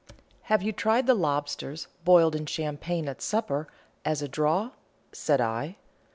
"Have you tried lobsters boiled in champagne at supper, as a draw?" said I.